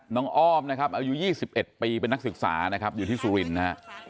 อ้อมนะครับอายุ๒๑ปีเป็นนักศึกษานะครับอยู่ที่สุรินทร์นะฮะ